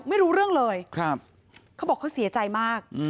ไม่รู้เรื่องเลยเขาบอกเขาเสียใจมาก